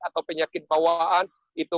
atau penyakit bawaan itu